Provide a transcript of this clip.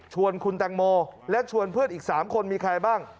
คุณแตงโมและชวนเพื่อนอีก๓คนมีใครบ้าง